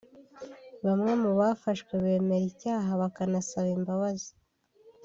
Bamwe mu bafashwe bemera icyaha bakanagisabira imbabazi